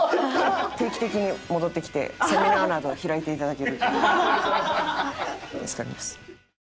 定期的に戻ってきてセミナーなどを開いていただけると助かります。